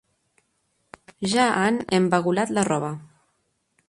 Ja han embagulat la roba.